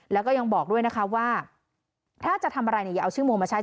แล้วก็ยังบอกด้วยนะคะว่าถ้าจะทำอะไรเนี่ยอย่าเอาชื่อโมมาใช้